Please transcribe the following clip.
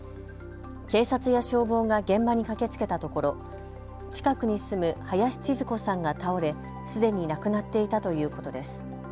警察や消防が現場に駆けつけたところ近くに住む林チズ子さんが倒れ、すでに亡くなっていたということです。